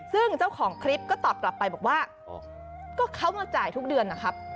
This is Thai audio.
ซึ่งเจ้าของคลิปก็ตอบกลับไปบอกว่าก็เขามาจ่ายทุกเดือนนะครับ